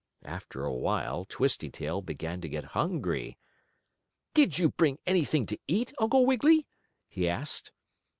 After a while Twisty Tail began to get hungry. "Did you bring anything to eat, Uncle Wiggily?" he asked.